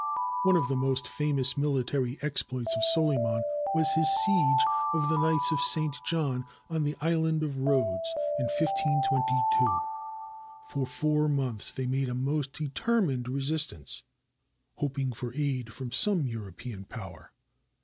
One of the most famous military exploits of Solyman was his siege of the Knights of St. John on the island of Rhodes, in 1522, For four months they made a most determined resistance, hop ing for aid from some European power.